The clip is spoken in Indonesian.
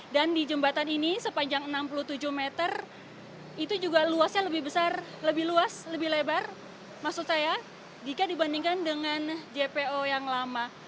dan di jembatan ini sepanjang enam puluh tujuh meter itu juga luasnya lebih besar lebih luas lebih lebar maksud saya jika dibandingkan dengan jpo yang lama